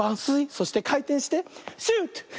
そしてかいてんしてシュート！